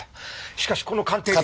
しかしこの鑑定で。